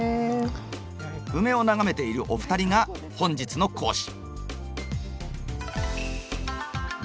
ウメを眺めているお二人が本日の講師。